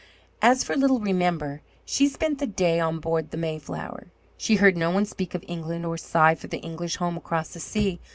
As for little Remember, she spent the day on board the Mayflower. She heard no one speak of England or sigh for the English home across the sea.